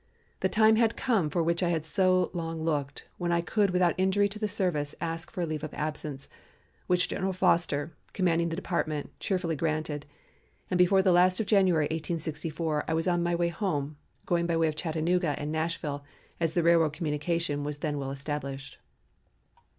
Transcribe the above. The time had come for which I had so long looked when I could without injury to the service ask for a leave of absence, which General Foster, commanding the Department, cheerfully granted, and before the last of January, 1864, I was on my way home, going by way of Chattanooga and Nashville, as the railroad communication was then well established.